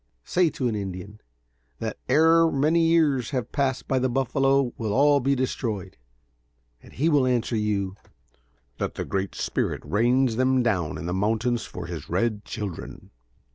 Say to an Indian, that ere many years have passed by the buffalo will all be destroyed, and he will answer you "that the 'Great Spirit' rains them down in the mountains for his red children."